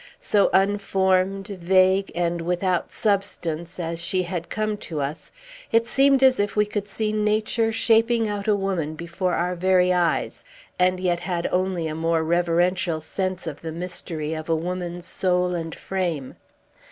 So unformed, vague, and without substance, as she had come to us, it seemed as if we could see Nature shaping out a woman before our very eyes, and yet had only a more reverential sense of the mystery of a woman's soul and frame.